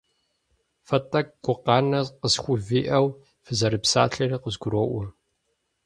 Фэ тӀэкӀу гукъанэ къысхувиӀэу фызэрыпсалъэри къызгуроӀуэ.